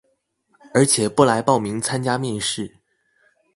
而且不來報名參加面試